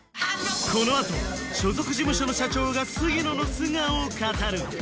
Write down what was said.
このあと所属事務所の社長が杉野の素顔を語る